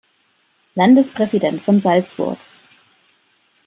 Landespräsident von Salzburg.